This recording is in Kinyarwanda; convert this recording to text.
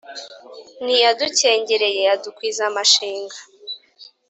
ntiyadukengereye adukwiza amashinga.